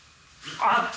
「あ！」